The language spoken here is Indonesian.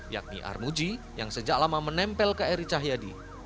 yakni armuji yang sejak lama menempel ke eri cahyadi